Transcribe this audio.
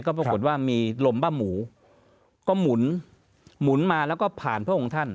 ก็ปรากฏว่ามีลมบ้าหมูก็หมุนหมุนมาแล้วก็ผ่านพระองค์ท่าน